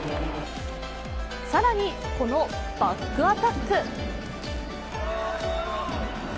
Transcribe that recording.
更に、このバックアタック。